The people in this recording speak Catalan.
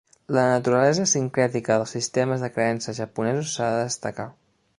La naturalesa sincrètica dels sistemes de creences japonesos s"ha de destacar.